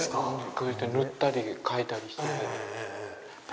こうやって塗ったり描いたりして。